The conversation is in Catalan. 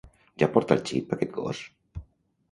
Ja porta el xip, aquest gos?